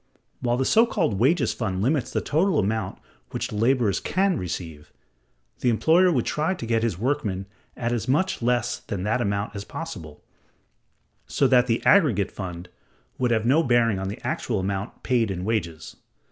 While the so called wages fund limits the total amount which the laborers can receive, the employer would try to get his workmen at as much less than that amount as possible, so that the aggregate fund would have no bearing on the actual amount paid in wages.